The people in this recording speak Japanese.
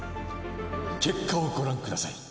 結果をご覧ください。